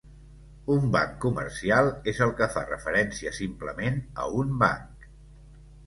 Un banc comercial és el que fa referència simplement a un banc.